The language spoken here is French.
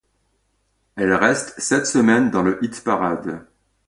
Elle reste sept semaines dans le hit-parade.